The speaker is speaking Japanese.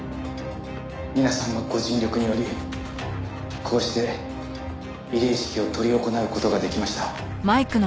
皆さんのご尽力によりこうして慰霊式を執り行う事ができました」